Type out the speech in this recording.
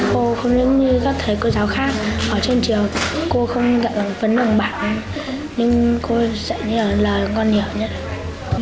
cô không như các thầy cô giáo khác ở trên trường cô không dạy lòng phấn đồng bảng nhưng cô dạy những lời ngon hiểu nhất